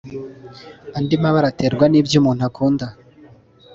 andi mabara aterwa n’ibyo umuntu akunda